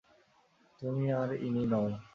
তুমি আর ইনি নও।